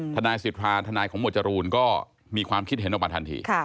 ทนายสิทธาทนายของหมวดจรูนก็มีความคิดเห็นออกมาทันที